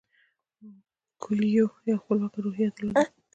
کویلیو یوه خپلواکه روحیه درلوده.